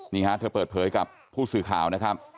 นี่ฮะเธอเปิดเผยกับผู้สื่อข่าวนะครับ